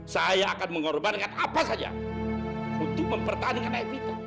saya akan mengorbankan apa saja untuk mempertahankan evita